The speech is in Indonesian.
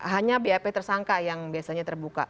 hanya bap tersangka yang biasanya terbuka